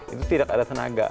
itu tidak ada tenaga